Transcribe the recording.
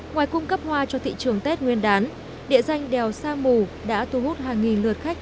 ngoài cung cấp hoa cho thị trường tết nguyên đán địa danh đèo sa mù đã thu hút hàng nghìn lượt khách